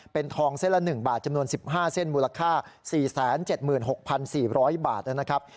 เป็นทองเส้นละหนึ่งบาทจำนวนสิบห้าเส้นมูลค่าสี่แสนเจ็ดหมื่นหกพันสี่ร้อยบาทนะครับ